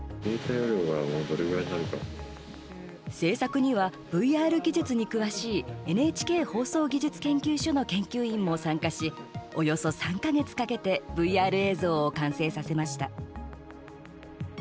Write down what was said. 制作には、ＶＲ技術に詳しいＮＨＫ放送技術研究所の研究員も参加し、およそ３か月かけてＶＲ映像を完成させました。